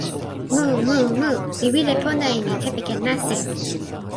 mu mu mu, mi wile pona e mi kepeken nasin.